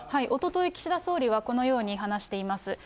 おととい、岸田総理はこのように話しています。